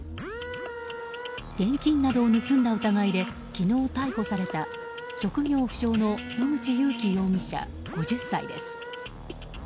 現金などを盗んだ疑いで昨日、逮捕された職業不詳の野口勇樹容疑者、５０歳です。